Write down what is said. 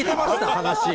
話。